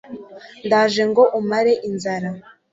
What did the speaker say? ndaje ngo umare inzara